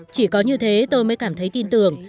chỉ có như thế tôi mới cảm thấy tin tưởng